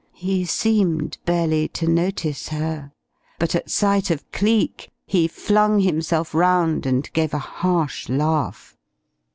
He seemed barely to notice her, but at sight of Cleek he flung himself round, and gave a harsh laugh.